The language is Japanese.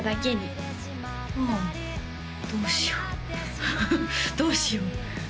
どうしようどうしよう？